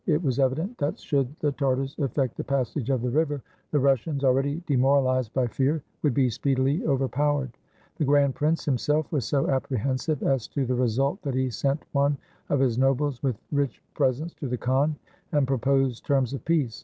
It was evident that should the Tartars effect the passage of the river, the Russians, already demoralized by fear, would be speedily overpowered. The grand prince him self was so apprehensive as to the result that he sent one 41 RUSSIA of his nobles with rich presents to the khan and proposed terms of peace.